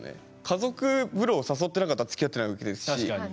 家族風呂を誘ってなかったらつきあってないわけですし。